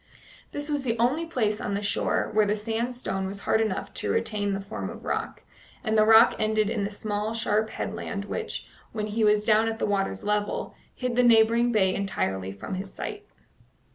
This was the only place on the shore where the sandstone was hard enough to retain the form of rock, and the rock ended in the small, sharp headland which, when he was down at the water's level, hid the neighbouring bay entirely from his sight.